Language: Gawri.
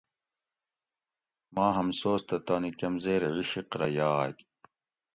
ماں ہمسوس تہ تانی کمزیر عِشق رہ یاگ.